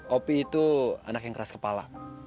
opi itu anak yang keras kepala